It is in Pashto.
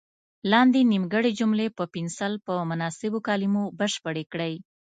لاندې نیمګړې جملې په پنسل په مناسبو کلمو بشپړې کړئ.